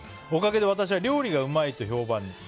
おかげで私は料理がうまいと評判に。